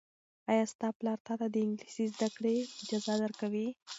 ایا ستا پلار تاته د انګلیسي زده کړې اجازه درکوي؟